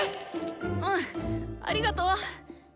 うんありがとう！